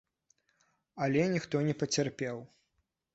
Але ніхто не пацярпеў.